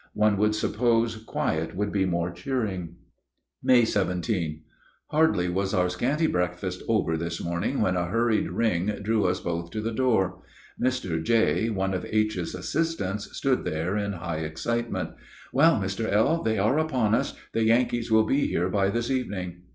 One would suppose quiet would be more cheering. May 17. Hardly was our scanty breakfast over this morning when a hurried ring drew us both to the door. Mr. J., one of H.'s assistants, stood there in high excitement. "Well, Mr. L., they are upon us; the Yankees will be here by this evening."